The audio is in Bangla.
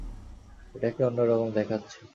এটাকে অন্যরকম দেখাচ্ছে।